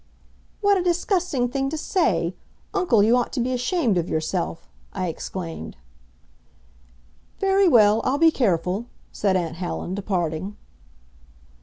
"What a disgusting thing to say! Uncle, you ought to be ashamed of yourself," I exclaimed. "Very well, I'll be careful," said aunt Helen, departing.